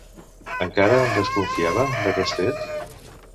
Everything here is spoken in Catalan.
Encara en desconfiava, d'aquest fet?